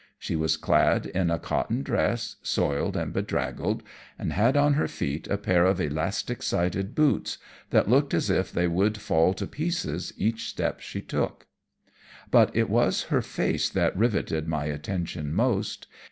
She was clad in a cotton dress, soiled and bedraggled, and had on her feet a pair of elastic sided boots, that looked as if they would fall to pieces each step she took. But it was her face that riveted my attention most.